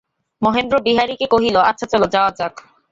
মহেন্দ্র বিহারীকে কহিল, আচ্ছা চলো, যাওয়া যাক।